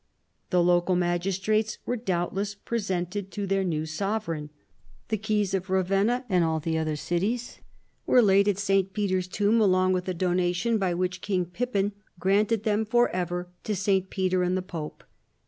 The local magistrates were doubt less presented to their new sovereign. The keys of Ravennn nnd nil the other cities were laid on St. 104 CHARLEMAGNE. Peter's tomb along with the donation by which King Pippin granted them for ever to St. Peter and the pope.